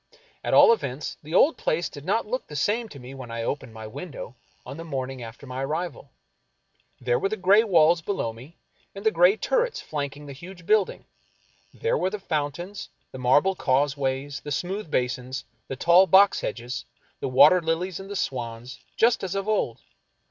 At all events, the old place did not look the same to me when I opened my window on the morn ing after my arrival. There were the gray walls below me and the gray turrets flanking the huge building ; there w^ere the fountains, the marble causeways, the smooth basins, the tall box hedges, the water lilies and the swans, just as of old.